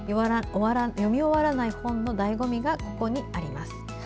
読み終わらない本のだいご味がここにあります。